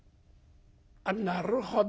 「あっなるほど。